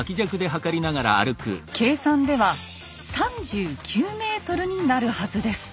計算では３９ｍになるはずです。